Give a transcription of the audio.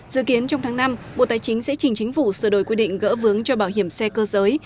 dự kiến trong tháng năm bộ tài chính sẽ chỉnh chính phủ sửa đổi quy định gỡ vướng cho bảo hiểm xe cơ giới